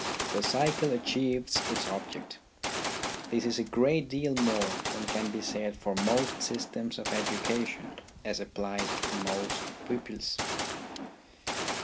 The cycle achieves its object. This is a great deal more than can be said for most systems of education as applied to most pupils.